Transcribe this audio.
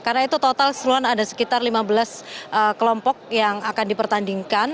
karena itu total seluruhnya ada sekitar lima belas kelompok yang akan dipertandingkan